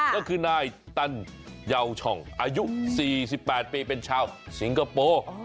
ก็คือนายตันเยาวช่องอายุ๔๘ปีเป็นชาวสิงคโปร์